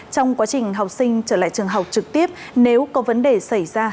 trong quá trình học sinh trở lại trường học trực tiếp nếu có vấn đề xảy ra